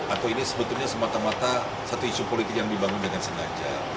atau ini sebetulnya semata mata satu isu politik yang dibangun dengan sengaja